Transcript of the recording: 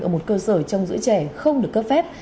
ở một cơ sở trong giữ trẻ không được cấp phép